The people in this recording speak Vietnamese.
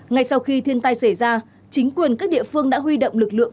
ngay sau khi thiên tai xảy ra chính quyền các địa phương đã huy động lực lượng